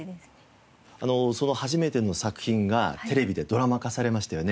初めての作品がテレビでドラマ化されましたよね？